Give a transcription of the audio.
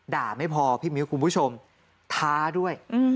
ไม่พอพี่มิ้วคุณผู้ชมท้าด้วย